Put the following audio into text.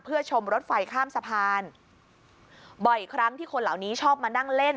เพื่อชมรถไฟข้ามสะพานบ่อยครั้งที่คนเหล่านี้ชอบมานั่งเล่น